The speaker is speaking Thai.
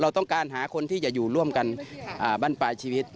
เราต้องการหาคนที่จะอยู่ร่วมกันบ้านปลายชีวิต